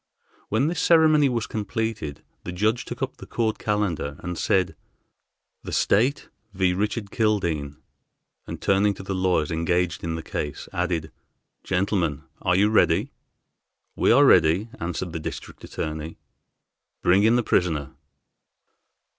When this ceremony was completed, the judge took up the court calender and said, "The State v. Richard Kildene," and turning to the lawyers engaged in the case added, "Gentlemen, are you ready?" "We are ready," answered the District Attorney. "Bring in the prisoner."